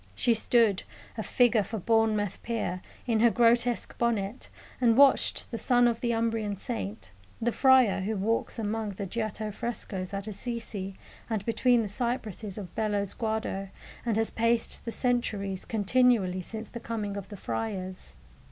She stood, a figure for Bournemouth pier, in her grotesque bonnet, and watched the son of the Umbrian saint the friar who walks among the Giotto frescoes at Assisi and between the cypresses of Bello Sguardo, and has paced the centuries continually since the coming of the friars.